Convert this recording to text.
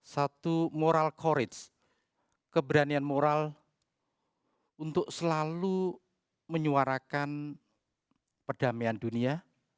satu moral courage keberanian moral untuk selalu menyuarakan perdamaian dunia